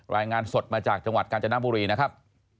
รายงานสดมาจากจังหวัดกาญจนบุรีนะครับ